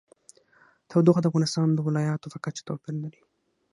تودوخه د افغانستان د ولایاتو په کچه توپیر لري.